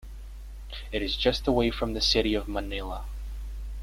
It is just away from the city of Manila.